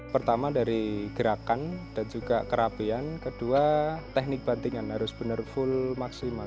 pertama dari gerakan dan juga kerapian kedua teknik bantingan harus benar full maksimal